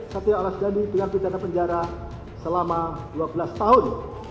satya olaj dendi dengan penjara penjara selama dua belas tahun